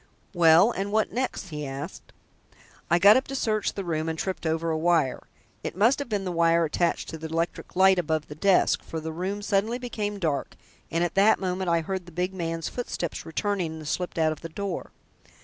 "Well, and what next?" he asked. "I got up to search the room and tripped over a wire. It must have been the wire attached to the electric light above the desk, for the room suddenly became dark, and at that moment I heard the big man's footsteps returning and slipped out of the door.